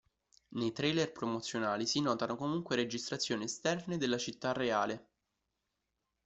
Nei trailer promozionali si notano comunque registrazioni esterne della città reale.